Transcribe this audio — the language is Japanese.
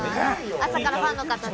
朝からファンの方に。